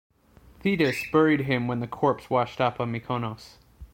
Thetis buried him when the corpse washed up on Myconos.